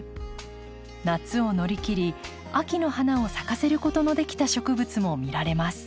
夏を乗り切り秋の花を咲かせることのできた植物も見られます。